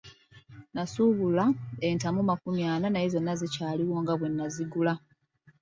Nasuubula entamu makumi ana naye zonna zikyaliwo nga bwe nnazigula.